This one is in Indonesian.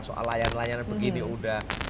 soal layanan layanan begini udah